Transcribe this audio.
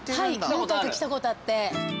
何回か来たことあって。